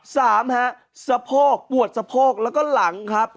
สามฮะสะโพกปวดสะโพกแล้วก็หลังครับ